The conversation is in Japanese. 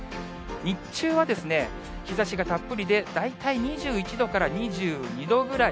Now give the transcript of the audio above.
日中はですね、日ざしがたっぷりで、大体２１度から２２度ぐらい。